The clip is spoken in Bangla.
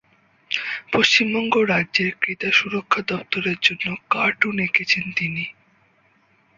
পশ্চিমবঙ্গ রাজ্যের ক্রেতা সুরক্ষা দফতরের জন্য কার্টুন এঁকেছেন তিনি।